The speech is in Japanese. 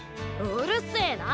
うるせな！